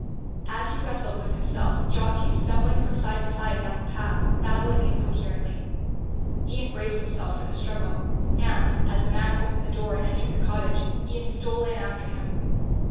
As he wrestled with himself Jock came stumbling from side to side down the path, babbling incoherently. Ian braced himself for the struggle and, as the man opened the door and entered the cottage, Ian stole in after him.